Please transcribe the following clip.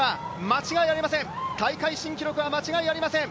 間違いありません。